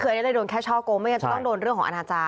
เกิดได้เลยโดนแค่ชอบโกงไม่งั้นจะต้องโดนเรื่องของอาหารอาจารย์